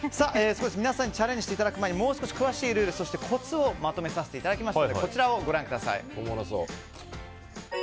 皆さんにチャレンジしていただく前にもう少し詳しいルール、コツをまとめさせていただきました。